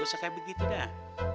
usah kayak begitu dah